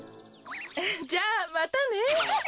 じゃあまたね。